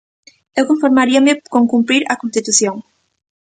Eu conformaríame con cumprir a Constitución.